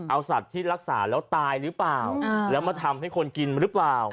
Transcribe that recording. เอาสัตว์ที่รักษาแล้วตายหรือเปล่าแล้วมาทำให้คนกินหรือเปล่า